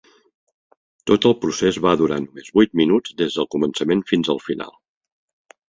Tot el procés va durar només vuit minuts des del començament fins al final.